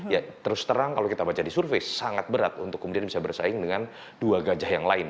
ya terus terang kalau kita baca di survei sangat berat untuk kemudian bisa bersaing dengan dua gajah yang lain